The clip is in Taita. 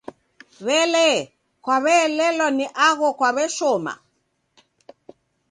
W'elee, kwaw'eelelwa ni agho kwaw'eshoma?